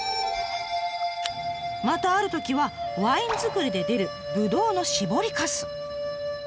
またあるときはワイン造りで出るぶどうの搾りかす。